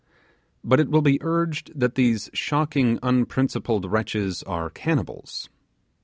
But it will be urged that these shocking unprincipled wretches are cannibals.